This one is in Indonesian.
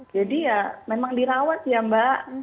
jadi ya memang dirawat ya mbak